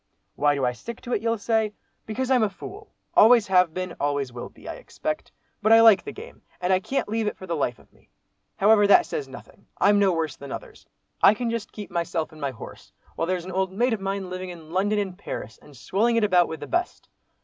Why do I stick to it, you'll say? Because I'm a fool, always have been, always will be, I expect. But I like the game, and I can't leave it for the life of me. However, that says nothing. I'm no worse than others. I can just keep myself and my horse, while there's an old mate of mine living in London and Paris, and swelling it about with the best!